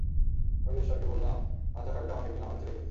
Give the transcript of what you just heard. আমি রেজিস্ট্রারকে বললাম, আচ্ছা ফাইলটা আমাকে দিন, আমার কাছে রেখে দিই।